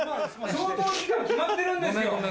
消灯時間決まってるんですよ！